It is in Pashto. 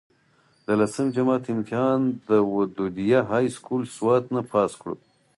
د لسم جمات امتحان د ودوديه هائي سکول سوات نه پاس کړو